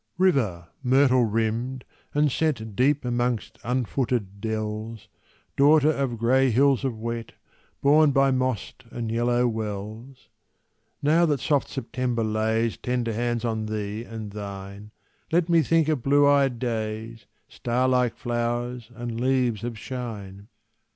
River, myrtle rimmed, and set Deep amongst unfooted dells Daughter of grey hills of wet, Born by mossed and yellow wells; Now that soft September lays Tender hands on thee and thine, Let me think of blue eyed days, Star like flowers and leaves of shine!